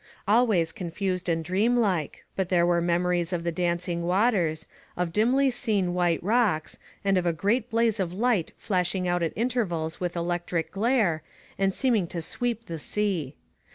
Always confused and dreamlike, but there were memories of the dancing waters, of dimly seen white rocks, and of a great blaze of light flashing out at intervals with electric glare, and seeming to sweep the sea.